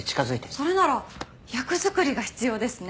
それなら役作りが必要ですね。